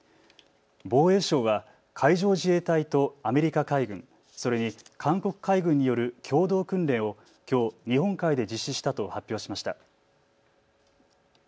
防衛省は海上自衛隊とアメリカ海軍、それに韓国海軍による共同訓練をきょう日本海で実施したと発表しました。